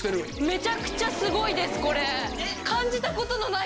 めちゃくちゃすごいですこれ。